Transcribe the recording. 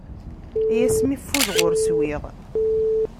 Ay asmi ffudeɣ ur swiɣ.